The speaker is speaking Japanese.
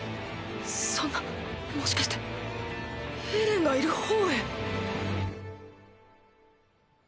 そんなもしかしてエレンがいる方へ？